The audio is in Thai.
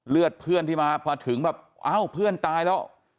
เพื่อนที่มาพอถึงแบบเอ้าเพื่อนตายแล้ว